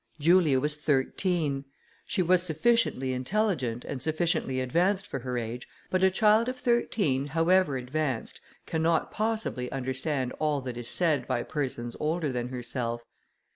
Julia was thirteen, she was sufficiently intelligent and sufficiently advanced for her age; but a child of thirteen, however advanced, cannot possibly understand all that is said by persons older than herself.